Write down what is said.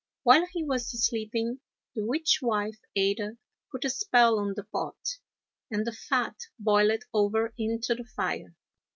While he was sleeping the witch wife Ada put a spell on the pot, and the fat boiled over into the fire.